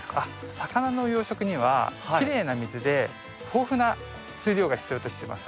魚の養殖にはきれいな水で豊富な水量が必要としています。